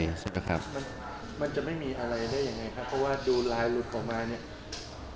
มันจะไม่มีอะไรได้อย่างไรคะเพราะว่าดูลายหลุดออกมาเนี่ย